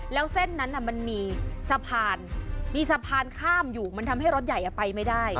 แล้วเส้นนั้นมันมีสะพานมีสะพานข้ามอยู่มันทำให้รถใหญ่ไปไม่ได้